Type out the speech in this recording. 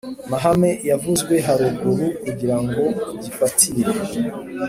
Mahame yavuzwe haruguru kugira ngo gifatire